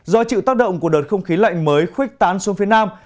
do chịu tác động của đợt không khí lạnh mới khuếch tán xuống phía nam